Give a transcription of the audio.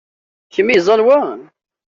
D kemm ay yeẓẓan wa?